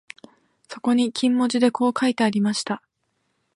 そこに金文字でこう書いてありました